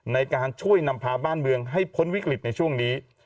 ในการช่วยนำพาบ้านเมืองให้พ้นวิกฤตในช่วงนี้